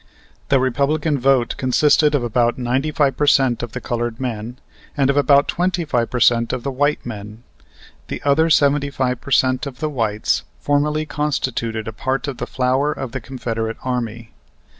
The Republican vote consisted of about ninety five per cent of the colored men, and of about twenty five per cent of the white men. The other seventy five per cent of the whites formerly constituted a part of the flower of the Confederate Army.